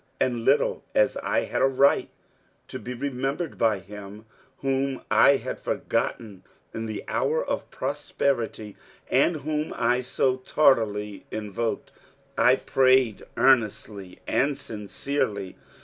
And little as I had a right to be remembered by Him whom I had forgotten in the hour of prosperity, and whom I so tardily invoked, I prayed earnestly and sincerely.